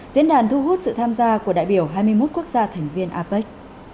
diễn đàn thu hút sự tham gia của đại biểu hai mươi một quốc gia thành viên apec